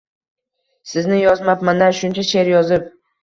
Sizni yozmabmana shuncha sher yozib